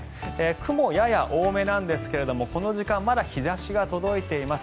雲、やや多めなんですけどこの時間、まだ日差しが届いています。